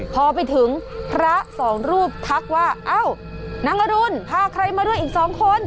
พอไปถึงพระสองรูปทักว่าเอ้านางอรุณพาใครมาด้วยอีกสองคน